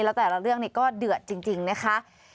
แล้วแต่ละเรื่องก็เดือดจริงนะคะ